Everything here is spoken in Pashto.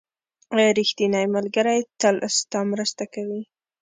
• ریښتینی ملګری تل ستا مرسته کوي.